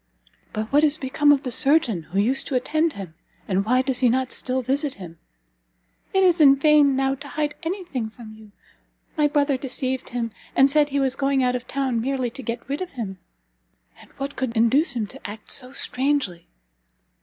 "But what is become of the surgeon who used to attend him, and why does he not still visit him?" "It is in vain, now, to hide any thing from you; my brother deceived him, and said he was going out of town merely to get rid of him." "And what could induce him to act so strangely?"